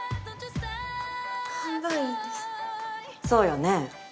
そうよね。